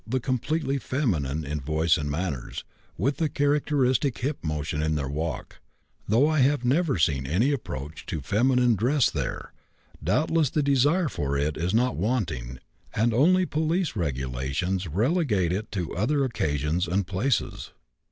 the completely feminine in voice and manners, with the characteristic hip motion in their walk; though I have never seen any approach to feminine dress there, doubtless the desire for it is not wanting and only police regulations relegate it to other occasions and places.